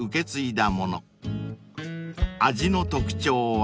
［味の特徴は？］